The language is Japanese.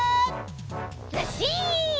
ずっしん！